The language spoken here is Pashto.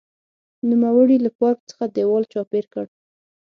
نوموړي له پارک څخه دېوال چاپېر کړ.